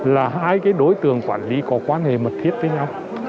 là hai cái đối tượng quản lý có quan hệ mật thiết với nhau